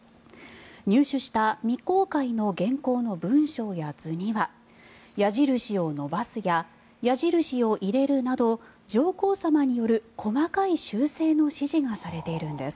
入手した未公開の原稿の文書や図には矢印を伸ばすや矢印を入れるなど上皇さまによる細かい修正の指示がされているんです。